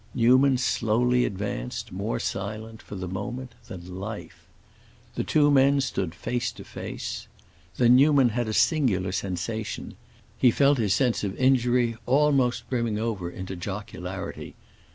Newman slowly advanced, more silent, for the moment, than life. The two men stood face to face. Then Newman had a singular sensation; he felt his sense of injury almost brimming over into jocularity.